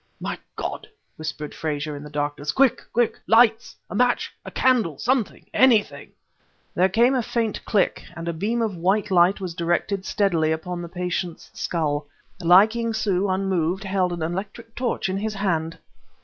"My God!" whispered Frazer, in the darkness, "quick! quick! lights! a match! a candle! something, anything!" There came a faint click, and a beam of white light was directed, steadily, upon the patient's skull. Li King Su unmoved held an electric torch in his hand!